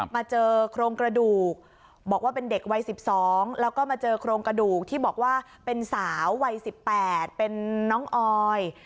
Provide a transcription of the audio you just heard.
มาเจอโครงกระดูกบอกว่าเป็นเด็กวัย๑๒แล้วก็มาเจอโครงกระดูกที่บอกว่าเป็นสาววัย๑๘เป็นน้องออย